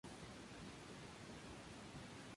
La capital es la ciudad de Trebisonda.